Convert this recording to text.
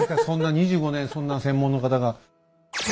そんな２５年そんな専門の方が。